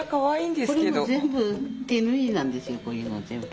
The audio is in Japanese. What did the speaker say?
これも全部手縫いなんですよこういうの全部。